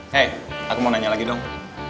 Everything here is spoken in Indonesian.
hei aku mau nanya lagi dong